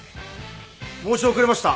申し遅れました。